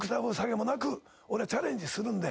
俺はチャレンジするんで。